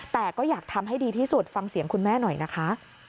แต่ก็อยากทำให้ดีที่สุดฟังเสียงคุณแม่หน่อยนะคะ